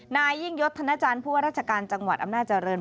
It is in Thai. นายยิ่งยศธนจันทร์ผู้ว่าราชการจังหวัดอำนาจริง